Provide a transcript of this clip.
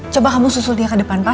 coba kamu susul dia ke depan pak